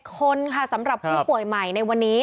คนค่ะสำหรับผู้ป่วยใหม่ในวันนี้